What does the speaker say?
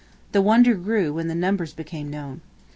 The wonder grew when the numbers became known.